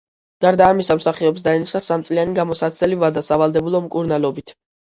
გარდა ამისა, მსახიობს დაენიშნა სამწლიანი გამოსაცდელი ვადა სავალდებულო მკურნალობით.